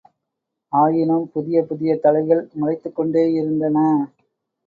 ஆயினும், புதிய புதிய தலைகள் முளைத்துக்கொண்டேயிருந்தன.